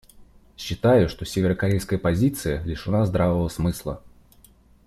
Считаю, что северокорейская позиция лишена здравого смысла.